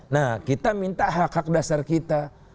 nah kita minta hak hak dasar kita